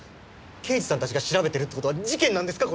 刑事さんたちが調べてるって事は事件なんですか？